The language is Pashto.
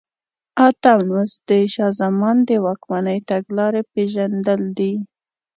اتم لوست د شاه زمان د واکمنۍ تګلارې پېژندل دي.